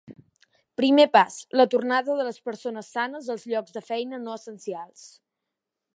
Primer pas: la tornada de les persones sanes als llocs de feina no essencials.